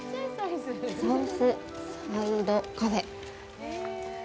サウスサイドカフェ。